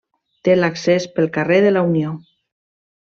Té l'accés pel carrer de la Unió.